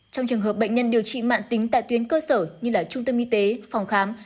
trong trường hợp bệnh nhân điều trị mạng tính tại tuyến cơ sở như trung tâm y tế phòng khám